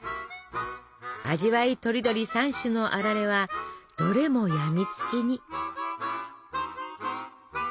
味わいとりどり３種のあられはどれも病みつきに。